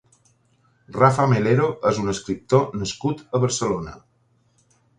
Rafa Melero és un escriptor nascut a Barcelona.